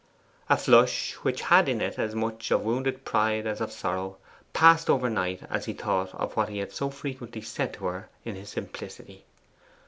A flush which had in it as much of wounded pride as of sorrow, passed over Knight as he thought of what he had so frequently said to her in his simplicity.